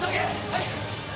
はい！